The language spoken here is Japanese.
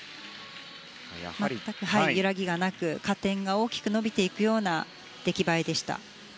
全く揺らぎがなく加点が大きく伸びていくような出来栄えでした。